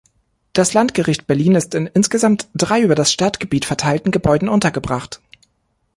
Das Landgericht Berlin ist in insgesamt drei über das Stadtgebiet verteilten Gebäuden untergebracht.